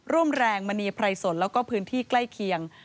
ร่วมแรงมณีไพรสนแล้วก็พื้นที่ใกล้เคียง